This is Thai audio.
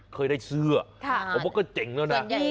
เคยได้เสื้อผมว่าก็เจ๋งแล้วนะ